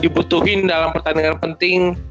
dibutuhin dalam pertandingan penting